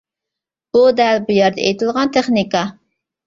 بۇ دەل بۇ يەردە ئېيتىلغان تېخنىكا.